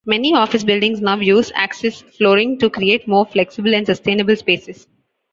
Many office buildings now use access flooring to create more flexible and sustainable spaces.